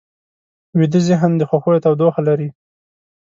ویده ذهن د خوښیو تودوخه لري